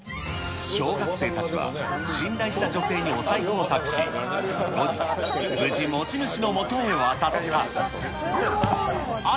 小学生たちは信頼した女性にお財布を託し、後日、無事持ち主のもとへ渡った。